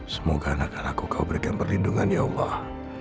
semoga anak anakku kau berikan perlindungan ya allah